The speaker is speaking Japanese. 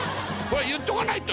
言っとかないと。